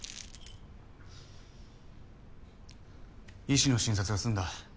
医師の診察が済んだ。